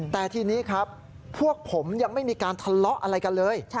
แต่ทีนี้ครับพวกผมยังไม่มีการทะเลาะอะไรกันเลย